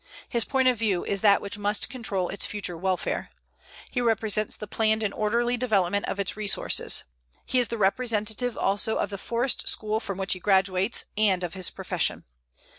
His point of view is that which must control its future welfare. He represents the planned and orderly development of its resources. He is the representative also of the forest school from which he graduates, and of his profession.